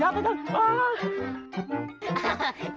jawab pak jel